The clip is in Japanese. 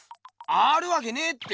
あるわけねえって。